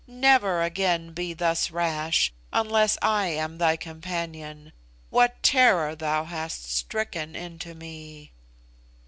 Never again be thus rash, unless I am thy companion. What terror thou hast stricken into me!"